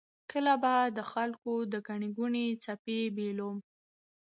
کله به د خلکو د ګڼې ګوڼې څپې بیولم.